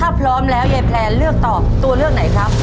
ถ้าพร้อมแล้วยายแพลนเลือกตอบตัวเลือกไหนครับ